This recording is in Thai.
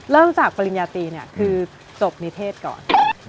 เริ่มจากปริญญาตรีเนี่ยคือจบนิเทศก่อน